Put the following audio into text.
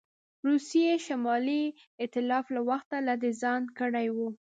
روسیې شمالي ایتلاف له وخته لا د ځان کړی وو.